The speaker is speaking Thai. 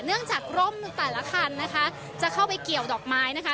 เนื่องจากร่มแต่ละคันนะคะจะเข้าไปเกี่ยวดอกไม้นะคะ